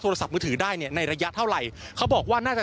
โทรศัพท์มือถือได้เนี่ยในระยะเท่าไหร่เขาบอกว่าน่าจะ